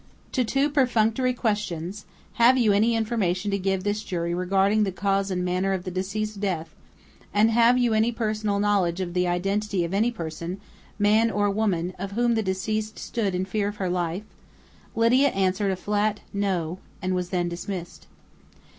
To two perfunctory questions "Have you any information to give this jury regarding the cause and manner of the deceased's death?" and "Have you any personal knowledge of the identity of any person, man or woman, of whom the deceased stood in fear of her life?" Lydia answered a flat "No!" and was then dismissed.